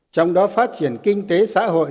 trong đó phát triển kinh tế xã hội